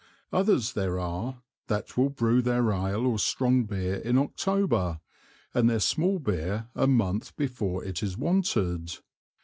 Others there are, that will brew their Ale or strong Beer in October, and their small Beer a Month before it is wanted.